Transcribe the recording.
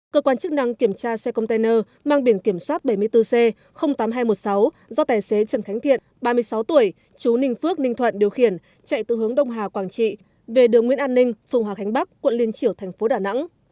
cơ quan chức năng kiểm tra xe container mang biển kiểm soát bảy mươi bốn c tám nghìn hai trăm một mươi sáu do tài xế trần khánh thiện ba mươi sáu tuổi chú ninh phước ninh thuận điều khiển chạy từ hướng đông hà quảng trị về đường nguyễn an ninh phường hòa khánh bắc quận liên triểu thành phố đà nẵng